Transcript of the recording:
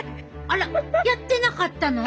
あらやってなかったの？